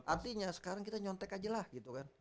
artinya sekarang kita nyontek aja lah gitu kan